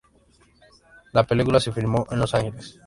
La película se filmó en Los Ángeles.